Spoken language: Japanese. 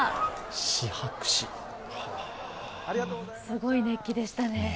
すごい熱気でしたね。